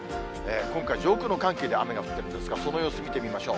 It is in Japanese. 今回、上空の寒気で雨が降っているんですが、その様子見てみましょう。